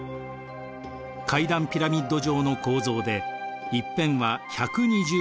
階段ピラミッド状の構造で１辺は１２０メートル